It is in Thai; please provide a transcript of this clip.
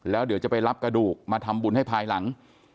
แล้วเดี๋ยวจะไปรับกระดูกมาทำบุญให้ภายหลัง